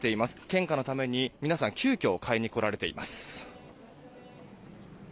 献花のために皆さん急きょ買いに来られています。